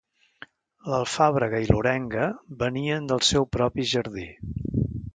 L'alfàbrega i l'orenga venien del seu propi jardí.